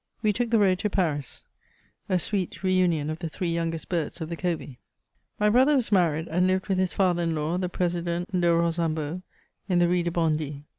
We took the road to Paris : a sweet reunion of the three youngest birds of the covey. My brother was married, and lived with his father in law, the President de Rosambo, in the Rue de Bondy.